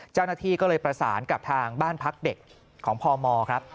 เจ้าหน้าที่ก็เลยประสานกับทางบ้านพักเด็กของพมครับ